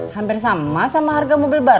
hampir sama sama harga mobil bar